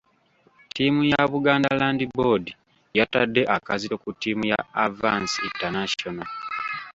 Ttiimu ya Buganda Land Board yatadde akazito ku ttiimu ya Avance International.